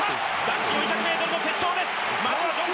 男子４００ｍの決勝です。